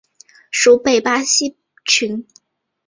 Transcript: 属北巴西郡。